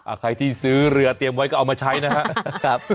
ใครที่ซื้อเรือเตรียมไว้ก็เอามาใช้นะครับ